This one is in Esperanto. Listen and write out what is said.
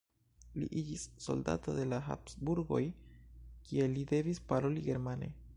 Li iĝis soldato de la Habsburgoj, kie li devis paroli germane.